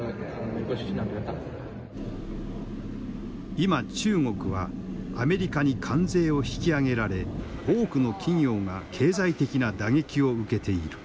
今中国はアメリカに関税を引き上げられ多くの企業が経済的な打撃を受けている。